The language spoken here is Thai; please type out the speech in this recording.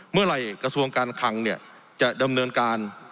เมื่อไหร่กระทรวงการคังจะดำเนินการ